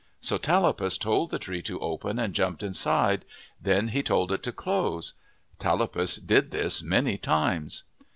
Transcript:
So Tallapus told the tree to open, and jumped inside. Then he told it to close. Tallapus did this many times.